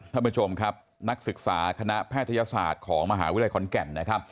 ท่านผู้ชมครับนักศึกษาคณะแพทยศาสตร์ของมหาวิทยาลัยขอนแก่นนะครับ